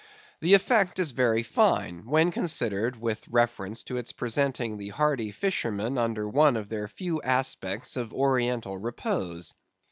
The effect is very fine, when considered with reference to its presenting the hardy fishermen under one of their few aspects of oriental repose.